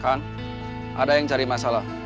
ada yang cari masalah